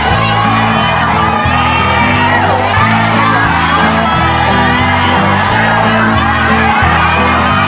ขาขาขวดหนึ่งขาขาขวดหนึ่งเร็วเร็วเร็วเร็ว